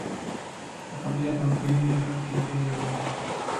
La familia Pamphili era originaria de Gubbio.